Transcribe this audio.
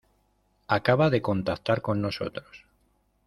acaba de contactar con nosotros.